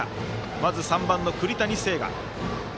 まず３番の栗谷星翔。